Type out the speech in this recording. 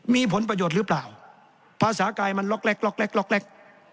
มีผลประโยชน์หรือเปล่าภาษากายมันล็อกแรก